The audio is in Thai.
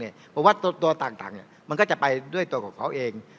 คือตัวต่างเข้าเข้าไปกับตัวเค้าเอง